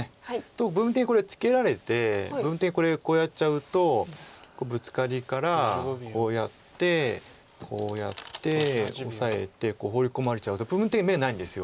部分的にこれツケられて部分的にこれこうやっちゃうとブツカリからこうやってこうやってオサえてここホウリ込まれちゃうと部分的に眼ないんです。